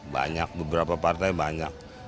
banyak beberapa partai banyak